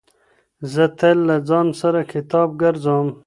زه تل له ځان سره کتاب ګرځوم.